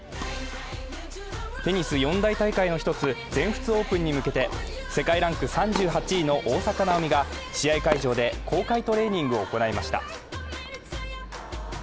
テニス４大大会の１つ、全仏オープンに向けて、世界ランク３８位の大坂なおみが試合会場で公開トレーニングを行いました。